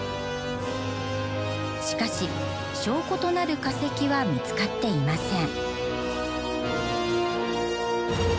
しかし証拠となる化石は見つかっていません。